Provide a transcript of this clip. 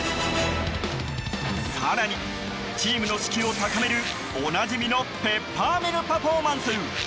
更に、チームの士気を高めるおなじみのペッパーミルパフォーマンス。